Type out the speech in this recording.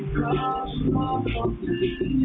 ไปไหนไปไหน